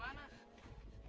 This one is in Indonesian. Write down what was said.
bert mana sekarang